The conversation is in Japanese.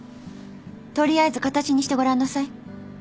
取りあえず形にしてごらんなさい。